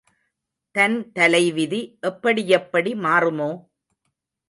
தன் தலைவிதி எப்படியெப்படி மாறுமோ?